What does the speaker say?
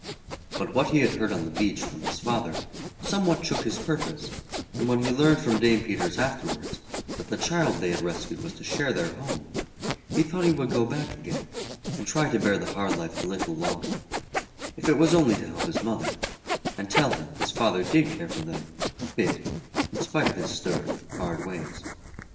But what he had heard on the beach from his father somewhat shook his purpose, and when he learned from Dame Peters afterwards, that the child they had rescued was to share their home, he thought he would go back again, and try to bear the hard life a little longer, if it was only to help his mother, and tell her his father did care for them a bit in spite of his stern, hard ways.